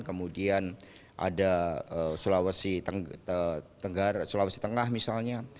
kemudian ada sulawesi tengah misalnya